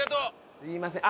すいません。